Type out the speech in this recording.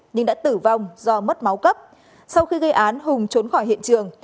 nhưng đã tử vong do mất máu cấp sau khi gây án hùng trốn khỏi hiện trường